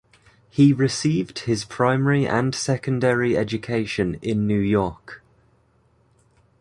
He received his primary and secondary education in New York.